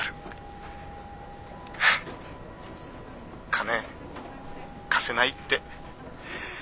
金貸せないって。